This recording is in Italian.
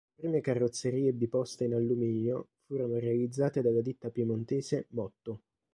Le prime carrozzerie biposto in alluminio furono realizzate dalla ditta piemontese Motto.